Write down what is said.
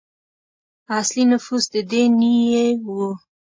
اصلي نفوس د دې نیيي وو.